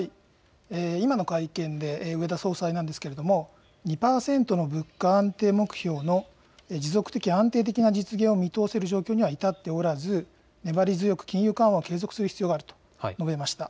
今の会見で、植田総裁なんですけれども、２％の物価安定目標の持続的、安定的な実現を見通せる状況には至っておらず、粘り強く金融緩和を継続する必要があると述べました。